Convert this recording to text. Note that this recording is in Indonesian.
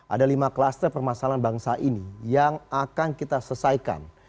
ada lima klaster permasalahan bangsa ini yang akan kita selesaikan